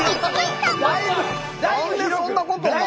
何でそんなことになんの？